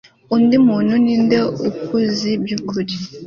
undi muntu ninde ukuzi byukuri